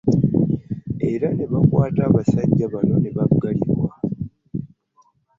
Era ne bakwata abasajja bano ne baggalirwa